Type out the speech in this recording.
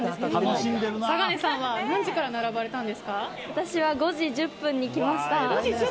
サガネさんは５時１０分に来ました。